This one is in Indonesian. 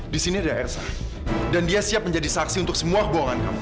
di sini ada ersan dan dia siap jadi saksi untuk semua kebohongan kamu